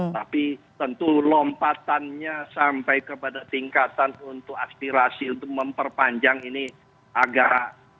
tapi tentu lompatannya sampai kepada tingkatan untuk aspirasi untuk memperpanjang ini agak